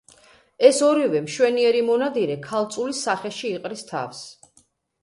ეს ორივე, მშვენიერი მონადირე ქალწულის სახეში იყრის თავს.